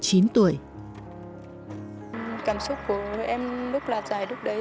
cảm xúc của em lúc lạc giải lúc đấy